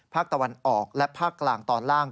ภาคตะวันออกและภาคกลางตอนล่าง